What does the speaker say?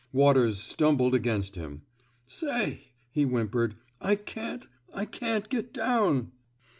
Waters stumbled against him. Say," he whim pered, I can't — I can't get down."